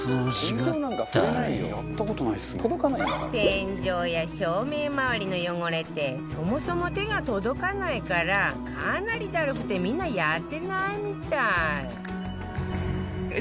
天井や照明周りの汚れってそもそも手が届かないからかなりダルくてみんなやってないみたい